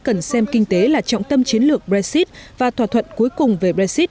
cần xem kinh tế là trọng tâm chiến lược brexit và thỏa thuận cuối cùng về brexit